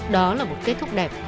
đó là một kết thúc đẹp